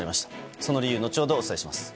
その理由、後ほどお伝えします。